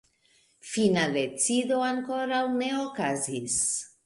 Fina decido ankoraŭ ne okazis.